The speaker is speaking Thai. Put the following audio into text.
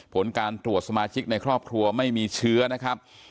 ผลการตรวจสมาชิกในครอบครัวไม่มีเชื้อนะครับ